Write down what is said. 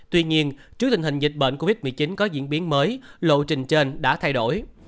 tuy nhiên trước tình hình dịch bệnh covid một mươi chín có diễn biến mới lộ trình trên đã thay đổi